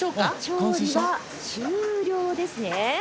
調理は終了ですね。